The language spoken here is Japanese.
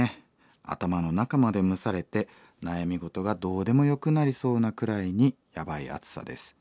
頭の中まで蒸されて悩み事がどうでもよくなりそうなくらいにやばい暑さです。